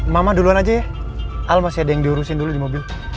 mama duluan aja ya al masih ada yang diurusin dulu di mobil